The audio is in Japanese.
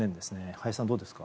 林さん、どうですか？